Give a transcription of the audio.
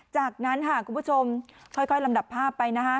จากนั้นค่ะคุณผู้ชมค่อยลำดับภาพไปนะฮะ